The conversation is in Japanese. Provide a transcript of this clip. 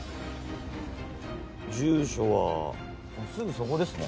住所はあっすぐそこですね。